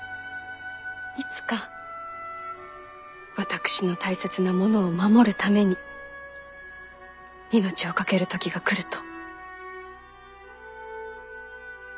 いつか私の大切なものを守るために命を懸ける時が来ると。